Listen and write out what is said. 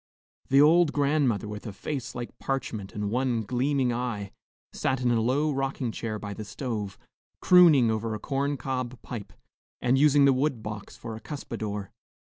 The old grandmother, with a face like parchment and one gleaming eye, sat in a low rocking chair by the stove, crooning over a corn cob pipe and using the wood box for a cuspadore.